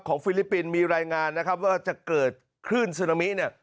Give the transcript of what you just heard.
ฟิลิปปินส์มีรายงานนะครับว่าจะเกิดคลื่นซึนามิเนี่ย